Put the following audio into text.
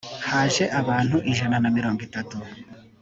haje abantu ijana na mirongo itatu